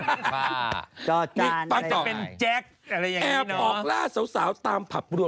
แอ๊บออกล่าสาวตามพับรั่ว